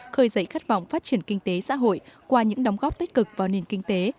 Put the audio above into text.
khơi dậy khát vọng phát triển kinh tế xã hội qua những đóng góp tích cực vào nền kinh tế